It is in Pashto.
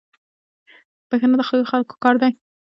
• بښنه د ښو خلکو کار دی.